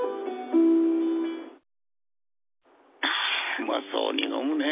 うまそうに飲むねぇ。